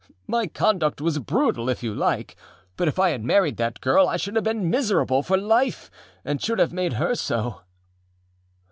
My conduct was brutal if you like, but if I had married that girl I should have been miserable for life and should have made her so.